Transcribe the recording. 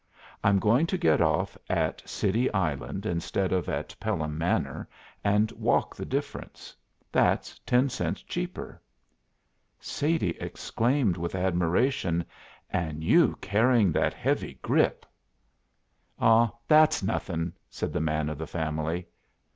I'm going to get off at City Island instead of at Pelham Manor and walk the difference. That's ten cents cheaper." Sadie exclaimed with admiration: "An' you carryin' that heavy grip!" "Aw, that's nothin'," said the man of the family.